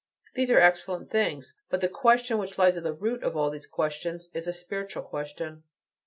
These are excellent things. But the question which lies at the root of all these questions is a spiritual question.